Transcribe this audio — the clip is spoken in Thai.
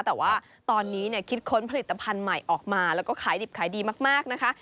แต่ว่าตอนนี้คิดค้นผลิตภัณฑ์ใหม่ออกมาแล้วก็ขายดิบขายดีมากนะคะ